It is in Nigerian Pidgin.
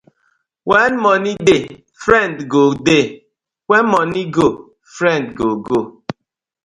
When money dey, friend go dey, when money go, friend go go.